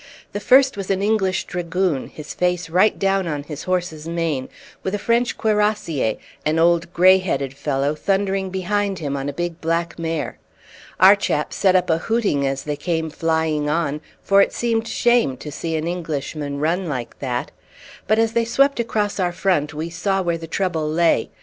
The first was an English dragoon, his face right down on his horse's mane, with a French cuirassier, an old, grey headed fellow, thundering behind him, on a big black mare. Our chaps set up a hooting as they came flying on, for it seemed shame to see an Englishman run like that; but as they swept across our front we saw where the trouble lay.